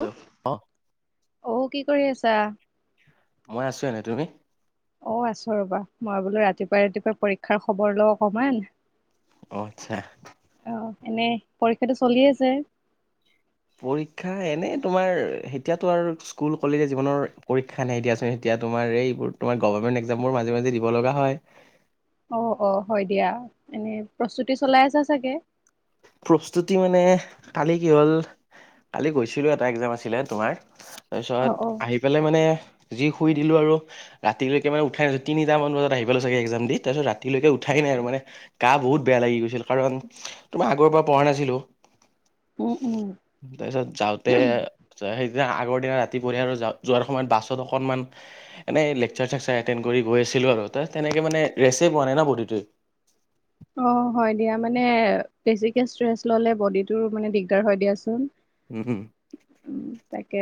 Hello অ [unintelligible] অ', কি কৰি আছা? মই আছোঁ এনে, তুমি? অ', আছোঁ ৰবা, মই বোলো ৰাতিপুৱাই ৰাতিপুৱাই পৰীক্ষাৰ খবৰ লও অকমান। অ', আচ্ছা। অ', এনেই পৰীক্ষাটো চলিয়ে আছে। পৰীক্ষা এনে, তোমাৰ এতিয়াতো আৰু স্কুল কলেজে জীৱনৰ পৰীক্ষা নাই, দিয়া চোন, এতিয়া, তোমাৰ এইবোৰ, তোমাৰ গভৰ্ণমেণ্ট একজামবোৰ মাজে, মাজে দিব লগা হয়। অ', অ', হয়, দিয়া, এনেই প্ৰস্তুতি চলাই আছা চাগে। প্ৰস্তুতি মানে কালি কি হ'ল, কালি গৈছিলো এটা একজাম আছিলে তোমাৰ। অ তাৰপিছত, অ আহি পেলাই মানে, যি শুই দিলোঁ আৰু ৰাতিলৈকে মানে উঠাই নাই, তাৰপাছত তিনিতা মান বজাত আহি পেলাই চাগে একজাম দি তাৰপিছত ৰাতিলৈকে উঠাই নাই আৰু মানে গা বহুত বেয়া লাগি গৈছিল, কাৰণ তোমাৰ আগৰ পৰা পঢ়া নাছিলো। উম, উম। তাৰপাছত যাওঁতে [unintelligible] সেইদিনা আগৰ দিনা ৰাতি পৰিয়া আৰু যাৱ যোৱাৰ সময়ত বাছত অকনমান এনেই লেকচাৰ চেকচাৰ এটেণ্ড কৰি গৈ আছিলো আৰু তাত তেনেকে মানে ৰেছেই পোৱা নাই ন বডিটোৱে। অ হয় দিয়া মানে বেছিকে চেষ্ট ললে বডিটো মানে দিগদাৰ হয় দিয়ান উম হুম উম তাকে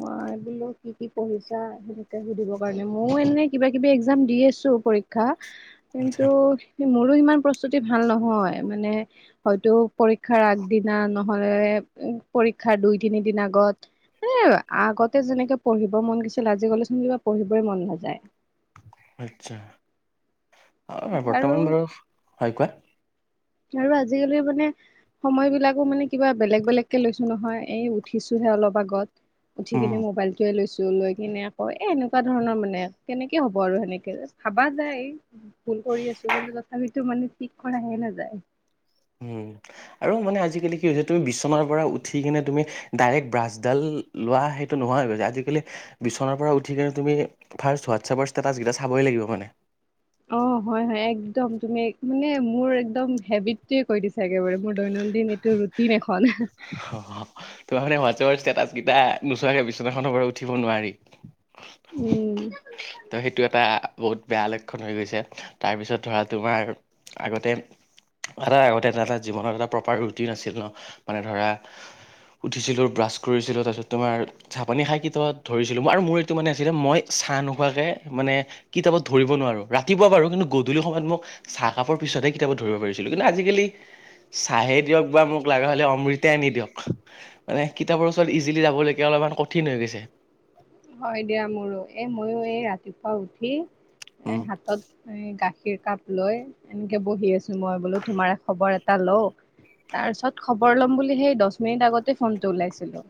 মই বোলো কি কি পঢ়িছা সেনেকে সুধিবৰ কাৰণে ময়ও এনে কিবা কিবি একজাম দি আছো পৰীক্ষা [inaudible] কিন্তু মোৰো ইমান প্ৰস্তুতি ভাল নহয় মানে হয়তো পৰীক্ষাৰ আগদিনা নহলে পৰীক্ষাৰ দুই তিনি দিন আগত এ আগতে যেনেকে পঢ়িব মন গৈছিল আজি গলেচোন কিবা পঢ়িবই মন নাযায় আচ্ছা আৰু বৰ্তমান বাৰু হয় কোৱা আৰু আজিকালি মানে সময় বিলাকো মানে কিবা বেলেগ বেলেগকে লৈছো নহয় এই উঠিছোহে অলপ আগত উম উঠিকেনে মোবাইলটো উঠাই লৈছো লৈ কিনে আকৌ এ এনেকুৱা ধৰণৰ মানে কেনেকে হ'ব আৰু সেনেকে ভাবা যায় এই ভুল কৰি আছো কিন্তু তথাপিতো মানে ঠিক কৰাহে নাযায় উ আৰু মানে আজিকালি কি হৈছে তুমি বিচনাৰ পৰা উঠি কিনে তুমি ডাইৰেক্ট ব্ৰাছডাল লোৱা সেইটো নহোৱা হৈ গৈছে আজিকালি বিচনাৰ পৰা উঠি কিনে তুমি ফাৰ্ষ্ট হোৱাটছএপৰ ষ্টেটাছকেইটা চাবই লাগিব মানে অ হয় হয় একদম তুমি মানে মোৰ একদম হেবিটটয়ে কৈ দিছা একেবাৰে মোৰ দৈনন্দিন এইটো ৰুটিম এখন তোমাৰ মানে হোৱাটছআপৰ ষ্টেটাছেই নোচোৱাকৈ বিচনাখনৰ পৰা উঠিব নোৱাৰি উম ত' সেইটো এটা বহুত বেয়া লক্ষণ হৈ গৈছে তাৰপিছত ধৰা তোমাৰ আগতে এটা আগতে এটা জীৱনত এটা প্ৰপাৰ ৰুটিন আছিল ন মানে ধৰা উঠিছিলোঁ ব্ৰাছ কৰিছিলোঁ তাৰপিছত তোমাৰ চাপানি খাই কিত ধৰিছিলো আৰু মোৰ এইটো মানে আছিলে মই চাহ ন খোৱাকে মানে কিতাপত ধৰিব নোৱাৰো ৰাতিপুৱা বাৰু কিন্তু গধূলি সময়ত মোক চাহ কাপৰ পিছতহে কিতাপত ধৰিব পাৰিছিলো কিন্তু আজিকালি চাহে দিয়ক বা মোক লগা হলে অমৃত আনি দিয়ক মানে কিতাপৰ ওচৰত ইজিলি যাবলৈকে অলপমান কঠিন হৈ গৈছে হয় দিয়া মোৰো এ মইয়ো এই ৰাতিপুৱা উঠি এ উম হাতত এ গাখীৰ কাপ লৈ এনেকে বহি আছো মই বোলো তোমাৰ খবৰ এটা লও তাৰ পিছত খবৰ লম বুলি সেই দহ মিনিট আগতে ফোনটো ওলাইছিলো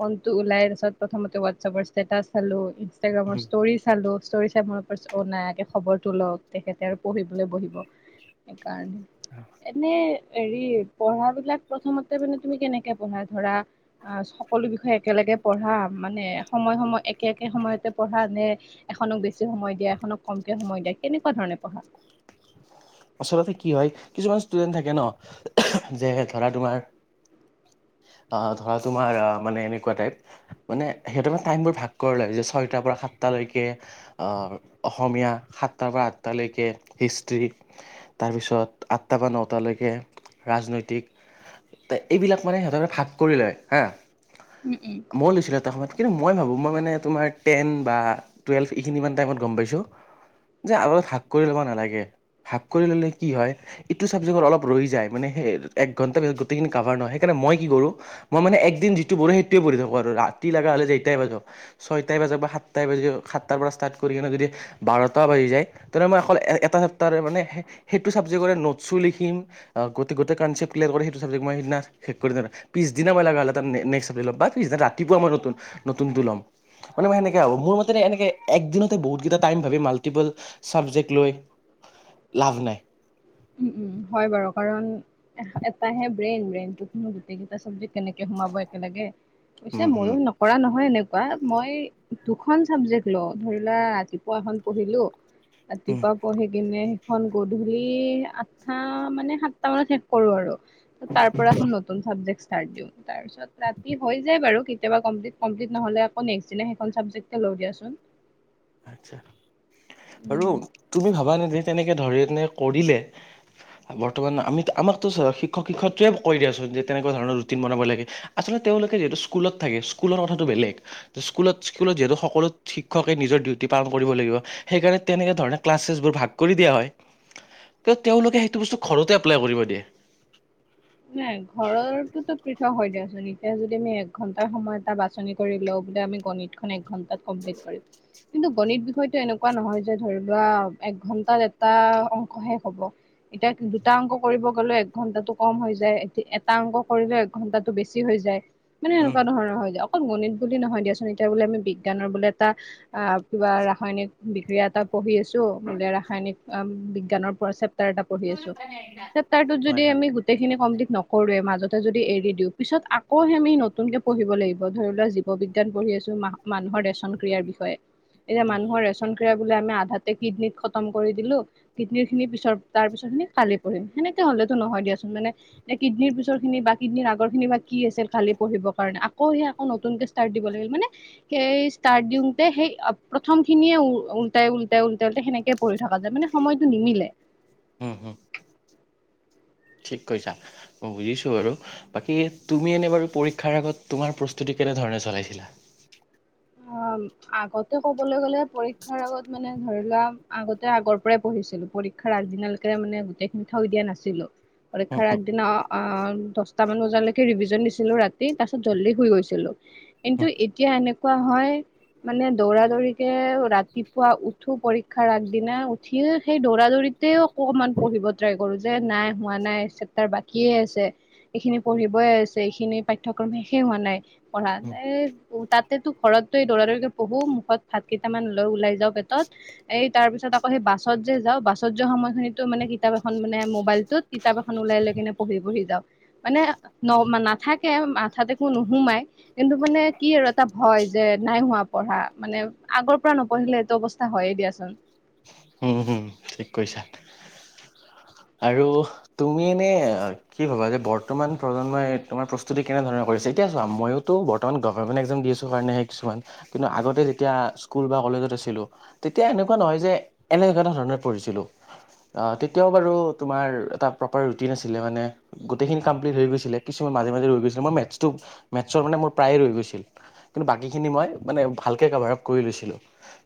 ফোন টো ওলাই তাৰপিছত প্ৰথমতে হোৱাটছএপৰ ষ্টেটাচ চালো ইনষ্টাগ্ৰামৰ ষ্টৰি চালোঁ, মোৰ নায়াকে খবৰটো লওক তেখেতে আৰু পঢ়িবলৈ বহিব এ কে এনেই হৰি পঢ়া বিলাক প্ৰথমতে মানে তুমি কেনেকে পঢ়া ধৰা অ সকলো বিষয়ে একেলগে পঢ়া মানে সময় সময় একে একে সময়তে পঢ়া নে এখনক বেছি সময় দিয়া এখনক কমকে সময় দিয়া কেনেকুৱা ধৰণে পঢ়া। আচলতে কি হয় কিছুমান ষ্টুডেণ্ট থাকে ন, যে ধৰা তোমাৰ- অ' ধৰা তোমাৰ মানে এনেকুৱা টাইপ। মানে সিহঁতে মানেটাইমবোৰ ভাগ কৰিব লাগ যে ছয়টাৰ পৰা সাতটালৈকে। আহ' অসমীয়া সাতটাৰ পৰা আঠটালৈকে হিষ্ট্ৰী। তাৰপিছত আঠটাৰ পৰা নটালৈকে ৰাজনৈতিক। এইবিলাক মানে সিহঁতক ভাগ কৰি লয় হা। উম, উম। মই লৈছিলোঁ এটা সময়ত কিন্তু মই ভাবোঁ মই মানে তোমাৰ টেন বা- ট্ৰুৱেলভ এইখিনি ই টাইত গম পাইছোঁ যে ভাগ কৰি ল'ব নালাগে। ভাগ কৰি ল'লে কি হয়- ইটো চাবজেক্ট অলপ ৰৈ যায়। মানে এক ঘণ্টা পিছত গোটেইখিনি কাভাৰ নয় সেইকাৰণেই। কি কৰোঁ, মই মানে একদিন যিটো পঢ়ো সেইটোয়ে পঢ়ি থাকো আৰু ৰাতি লগা হ'লে যেতিয়াই বাজক। ছয়টাই বজাৰ বা সাতটাই বাজি, সাতটাৰ পৰা ষ্টাৰ্ট কৰি কিনে যদি- বাৰটা বাজি যায়। তেনে মই অকল এটা চেপটাৰে মানে সেইটো ছাবজেক্টৰে নোটছো লিখিম- গোটে গোটেই কনচেপ্ত ক্লিয়াৰ কৰে সেইটো চাবজেক্ট মই সেইদিনা- পিছদিনাই মই লগা লগা নেক্স চাবজেক্ট লম বা পিছদিনা ৰাতিপুৱা মই নতুন নতুনটো লম। মানে মই সেনেকে ভাবোঁ, মোৰ মতে এনেকে একদিনতে বহুত কেইটা টাইম ভাবে মাল্টিপুল- চাবজেক্ট লৈ লাভ নাই। উম উম, হয় বাৰু। কাৰণ এটাহে ব্ৰেইন, ব্ৰেইনটোত নো- গোটেইকেইটা চাবজেক্ট কেনেকে সোমাব একেলগে, পিছে উম, মইয়ো উম। ন- কৰা নহয় এনেকুৱা। মই দুখন চাবজেক্ট লওঁ, ধৰিলোৱা ৰাতিপুৱা এখন পঢ়িলোঁ- উম, ৰাতিপুৱা পঢ়ি কিনে সেইখন গধূলি- অঁ, মানে সাতটা মানত শেষ কৰো আৰু। তাৰ পৰা এখন নতুন চাবজেক্ট - তাৰপিছত ৰাতি হৈ যায় বাৰু কেতিয়াবা কমপ্লিট কমপ্লিট নহলে আকৌ নেক্স দিনা সেইখন চাবজেক্ট- এয়া লওঁ দিয়াচোন। আচ্ছা, উম। আৰু তুমি ভাবা নে যে তেনেকে ধৰে এনে কৰিলে, বৰ্তমান আমি আমাকতো চ শিক্ষক শিক্ষয়ত্ৰীৰে কৈ দিয়ে আছোঁ যে তেনেকুৱা ধৰণৰ ৰুটিন বনাব লাগে। আচলতে তেওঁলোকে যিহেতু স্কুলত থাকে, স্কুলৰ কথাটো বেলেগ। স্কুলত, স্কুলত যিহেতু সকলো শিক্ষকে নিজৰ ডিউতি- প্ৰতিপালন কৰিব লাগিব। সেইকাৰণে তেনেকে ধৰণে ক্লাছেছ বোৰ ভাগ কৰি দিয়া হয়। ত' তেওঁলোকে সেইটো বস্তু ঘৰতে এপ্লাই কৰিব দিয়ে। নাই ঘৰৰতোক পৃথক হয় দিয়াচোন। এতিয়া যদি আমি এক ঘন্টাৰ সময় এটা বাছ- [unintelligible] গণিত খন এক ঘন্টাত কমপ্লিত কৰিম। কিন্তু গণিত বিষয়টো এনেকুৱা নহয় যে ধৰি লোৱা এক ঘন্টাত এটা অংকহে হ'ব। এতিয়া দুটা অংক কৰিব গ'লেও একঘণ্টাটো কম হৈ যায়। যে এটা অংক কৰিলে একঘন্টাটো বেছি হৈ যায়, মানে উম, এনেকুৱা ধৰণৰ হৈ যায়। গণিত বুলি নহয় দিয়াচোন, এতিয়া বোলে আমি বিজ্ঞানৰ বোলে এটা- অঁ, কিবা ৰাসায়নিক বিষয়া এটা- পঢ়ি আছোঁ। বোলে ৰাসায়নিক বিজ্ঞানৰ পৰা চে- চেপটাৰ এটা পঢ়ি আছো। চেপটাৰ টোত যদি হয়, হয়, আমি গোটেইখিনি- কমপ্লিত নকৰোৱে মাজতে যদি এৰি দিওঁ। পিছত আকৌ সেই আমি নতুনকে পঢ়িব লাগিব। ধৰি লোৱা- ব বিজ্ঞান পঢ়ি আছো ম মানুহৰ ৰেচন ক্ৰিয়াৰ বিষয়ে। এতিয়া উম, মানুহ ৰেচন- এতিয়া বোলে আমি আধাতে কিডনিত খতম কৰি দিলোঁ। কিডনীৰ খিনি পিছত তাৰ পিছত খিনি কালি কৰিম। সেনেকে হলেতো নহয় দিয়াচোন। মানে- এ, কিডনিৰ পিছৰ খিনি বা কিডনীৰ আগৰ খিনি বা কি আছিল কালি পঢ়িব কাৰণে আকৌ সেই আকৌ নতুনকে- ষ্টাৰ্ট দিবলৈ লাগিল। মানে- ষ্টাৰ্ট দিওঁতে সেই প্ৰথম খিনিয়ে উ উল্টাই উল্টাই উল্টাই উল্ট সেনেকে- কৰি থকা যায়, মানে সময়টো নিমিলে। হম, হুম। ঠিক কৈছা, মই বুজিছোঁ বাৰু। বাকী তুমি এনে বাৰু পৰীক্ষাৰ আগত তোমাৰ প্ৰস্তুতি কেনেধৰণে চলাইছিলা? [unintelligible] আগতে ক'বলৈ গ'লে পৰীক্ষাৰ আগত মানে ধৰি লোৱা আগতে আগৰ পৰাই পঢ়িছিলো পৰি ক্ষাৰ আগদিনালৈকে মানে গোটেই খিনি থৈ দিয়া নাছিলো। উম পৰীক্ষাৰ আগদিনা অ দশটামান বজালৈকে ৰিভিজন দিছিলোঁ ৰাতি তাৰপিছত জল্দি শুই গৈছিলোঁ। কিন্তু এতিয়া এনেকুৱা হয়। মানে দৌৰা দৌৰিকে ৰাতিপুৱা উঠো পৰীক্ষাৰ আগদিনা, উঠি সেই দৌৰা দৌৰিতেও অকণমান পঢ়িব ট্ৰাই [unintelligible] নাই হোৱা নাই চেপটাৰ বাকিয়ে আছে। এইখিনি পঢ়িবই আছে এইখিনি পাঠ্যক্ৰম শেষে হোৱা নাই পঢ়া এই তাত [unintelligible] ঘৰত দৌৰা দৌৰিকে পঢ়ো মুখত ভাত কেইটামান লৈ ওলাই যাওঁ পেটত। এই তাৰপিছত আকৌ সেই বাছত যে যাওঁ বাছত যোৱা সময়খিনিতো মানে কিতাপ এখন মানে মোবাইলটোত। কিতাপ এখন ওলাই লৈ কিনে পঢ়ি, পঢ়ি যাওঁ। মানে ন-নাথাকে মাঠাত একো নোসোমাই কিন্তু মানে কি আৰু ভয় যে নাই হোৱা পঢ়া মানে আগৰ পৰা নপঢ়িলে এইটো অৱস্থা হয়ে দিয়াচোন। হম, হম ঠিক কৈছা আৰু তুমি এনে। কি ভবা যে বৰ্তমান প্ৰজন্মই তোমাৰ প্ৰস্তুতি কেনেধৰণে কৰিছে? এতিয়া চোৱা মইওতো বৰ্ত মান গভমেণ্ট এক্সাম দি আছোঁ কাৰণেহে, কিছুমান কিন্তু আগতে যেতিয়া স্কুল বা কলেজত আছিলোঁ। তেতিয়া এনেকুৱা নহয় যে এনেকুৱা এটা ধৰণত পঢ়িছিলো। তেতিয়াও বাৰু তোমাৰ এটা প্ৰপাৰ ৰুটিন আছিলে মানে। গোটেইখিনি কমপ্লিট হৈ গৈছিলে কিছুমান মাজে, মাজে ৰৈ গৈছিল মেটছটো মেটছ মানে মোৰ প্ৰায়ে ৰৈ গৈছিল। কিন্তু বাকীখিনি মই মানে ভালকৈ কাভাৰআপ কৰি লৈছিলোঁ।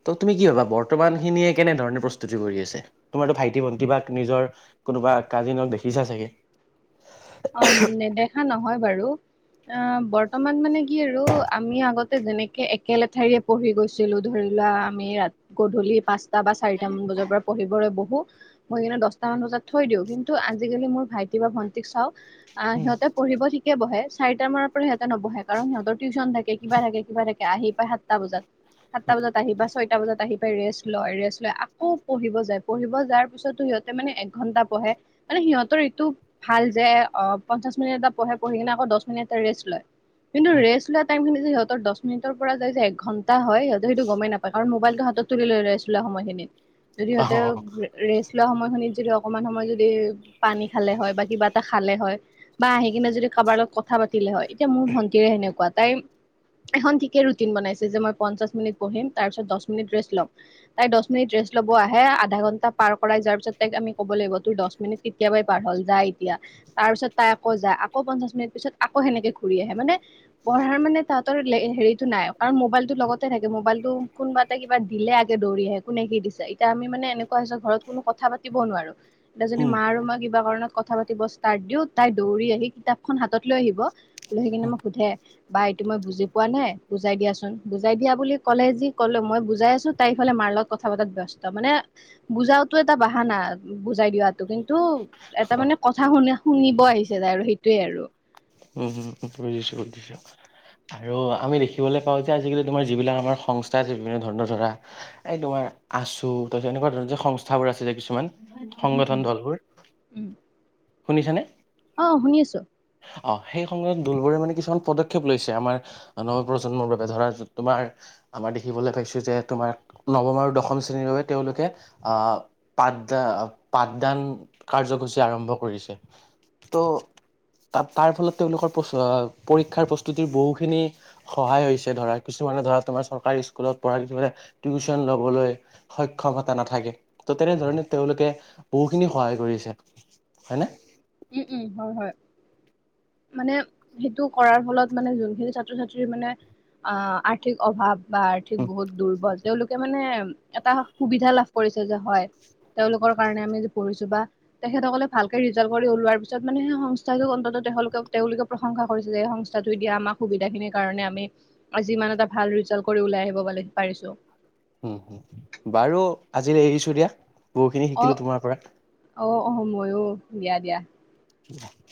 ত' তুমি কি ভাবা বৰ্তমান খিনিয়ে কেনেধৰণে প্ৰস্তুতি কৰি আছে তোমাৰতো ভাইটি ভণ্টি বা নিজৰ কোনোবা কাজিনক দেখিছা চাগে। অ, নেদেখা নহয় বাৰু। অ বৰ্তমান মানে কি আৰু আমি আগতে যেনেকে একেলেঠাৰিয়ে পঢ়ি গৈছিলোঁ ধৰি লোৱা আমি ৰা গধূলি পাঁচ টা বা চাৰিটা মান বজাৰ পৰা পঢ়িবলৈ বহু। বহি কিনে দহটা মান বজাত থৈ দিওঁ কিন্তু আজিকালি মোৰ ভাইটি বা ভণ্টিক চাওঁ। আহ উম সিহঁতে পঢ়িব ঠিকে বহে চাৰিটা মানৰ পৰা সিহঁতে নবহে কাৰণ সিহঁতৰ টিউচন থাকে কিবা থাকে কিবা থাকে। আহি পাই সাতটা বজাত সাতটা উম বজাত আহি বা ছয়টা বজাত আহি পাই ৰেষ্ট লয় ৰেষ্ট লয় আকৌ পঢ়িব যায় পঢ়িব যাৰ পিছতো সিহঁতে মানে এক ঘন্টা পঢ়ে। মানে সিহঁতৰ এইটো ভাল যে অ পঞ্চাশ মিনিট এটা পঢ়ে পঢ়ি কিনে আকৌ দহ মিনিট এটা ৰেষ্ট লয়, কিন্তু উম ৰেষ্ট লোৱা টাইম খিনি যদি সিহঁতৰ দহ মিনিটৰ পৰা যাই যে এক ঘণ্টা হয় সিহঁতে সেইটো গমে নাপায় কাৰণ মোবাইলটো হাতত তুলি লয় ৰেষ্ট লোৱা সময় খিনিত। যদি অ সিহঁতে ৰেষ্ট লোৱা সময় খিনিত যদি অকমান সময় যদি পানী খালে হয়, বা কিবা এটা খা খালে হয় বা আহি কিনে যদি কাৰোবাৰ লগত কথা পাতিলে হয়। এতিয়া মোৰ ভণ্টিৰে সেনেকুৱা তাই এখন ঠিকে ৰুটিন বনাইছে যে মই পঞ্চাশ মিনিট পঢ়িম তাৰ পিছত দহ মিনিট ৰেষ্ট লম। তাই দহ মিনি ৰেষ্ট ল'ব আহে আধা ঘন্টা পাৰ কৰাই যোৱাৰ পিছত তাইক আমি ক'ব লাগিব তোৰ দহ মিনিট কেতিয়াবাই পাৰ হ'ল যা এতিয়া। তাৰ পিছত তাই আকৌ যায় আকৌ পঞ্চাশ মিনিট পিছত আকৌ সেনেকে ঘূৰি আহে মানে পঢ়াৰ মানে তাহতৰ হেৰিটো নাই কাৰণ মোবাইলতো লগতে থাকে মোবাইলটো কোনোবাত এটা কিবা দিলে আগে দৌৰি আহে কোনে কি দিছে এতিয়া আমি মানে এনেকুৱা হৈছে ঘৰত কোনো কথা পাতিবও নোৱাৰো। [unintelligible] মা আৰু মই কিবা কাৰণত কথা পাতি বচ [unintelligible] দিওঁ তাই দৌৰি আহি কিতাপখন হাতত লৈ আহিব, লৈ আহি কিনে মোক সোধে বা এইটো মই বুজি পোৱা নাই বুজাই দিয়াচোন, বুজাই দিয়া বুলি ক'লে যি ক'লো মই বুজাই আছো। তাই ইফালে মাৰ লগত কথা পাতাত ব্যস্ত, মানে বুজাও এটা বাহানা বুজাই দিয়াত। কিন্তু এটা মানে কথা শুনা শুনিব আহিছে তাই আৰু সেইটোৱে আৰু। উম, উম, উম, বুজিছোঁ [unintelligible] আৰু আমি দেখিবলৈ পাওঁ যে আজিকালি তোমাৰ যিবিলাক আমাৰ সংস্থা থাকে ধৰণৰ ধৰা এই তোমাৰা আছো, [unintelligible] এনেকুৱা ধৰণৰ যে সংস্থাবোৰ আছে যে কিছুমান। উম উম সংগঠন ধলবোৰ, উম শুনিছানে? অ', শুনি আছো। অ', সেই সময়ত দোলবোৰে মানে কিছুমান পদক্ষেপ লৈছে আমাৰ আ, নৱ প্ৰজন্মৰ বাবে ধৰা তোমাৰ আমাৰ দেখিবলৈ পাইছোঁ যে তোমাৰ নৱম আৰু দশম শ্ৰেণীৰ বাবে তেওঁলোকে আ পাঠদা পাঠদান কাৰ্যসূচী আৰম্ভ কৰিছে। ত' [unintelligible] তাৰ ফলত তেওঁলোকৰ প্ৰচ আ, পৰীক্ষাৰ প্ৰস্তুতিৰ বহুখিনি সহায় হৈছে ধৰা কিছুমানে ধৰা তোমাৰ চৰকাৰী স্কুলত পঢ়া কিছুমানে টিউচন লবলৈ সক্ষমতা নাথাকে, ত' তেনেধৰণে তেওঁলোকে বহুখিনি সহায় কৰিছে। হয়নে? উম, উম, হয়, হয়। মানে সেইটো কৰাৰ ফলত মানে যোনখিনি ছাত্ৰ ছাত্ৰী মানে আ, আৰ্থিক অভাৱ বা আৰ্থিক বহুত দুৰ্বজ। তেওঁলোকে মানে এটা সুবিধা লাভ কৰিছে যে হয়। তেওঁলোকৰ কাৰণে আমি যি পঢ়িছোঁ বা তেখেত সকলে ভালকে ৰিজাল কৰি ওলোৱাৰ পিছত মানে সেই সংস্থাটোক অন্তত তেখেলোকক তেওঁলোকে প্ৰশংসা কৰিছে যে এই সংস্থাটোৱে দি আমাক সুবিধা খিনিৰ কাৰনে আমি আজি ইমান এটা ভাল ৰিজাল কৰি ওলাই আহিব [unintelligible] পাৰিছোঁ। উম, বাৰু আজিলে এৰিছো দিয়া, বহুখিনি অ শিকিলো তোমাৰ পৰা। অ', অহ, ময়ো দিয়া দিয়া। উ [unintelligible]